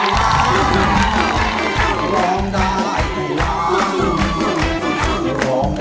โลกใจโลกใจโลกใจโลกใจโลกใจ